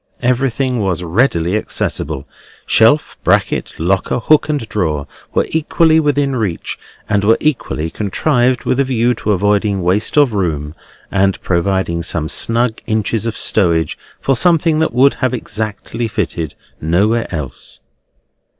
Everything was readily accessible. Shelf, bracket, locker, hook, and drawer were equally within reach, and were equally contrived with a view to avoiding waste of room, and providing some snug inches of stowage for something that would have exactly fitted nowhere else.